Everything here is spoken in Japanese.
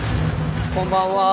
こんばんは。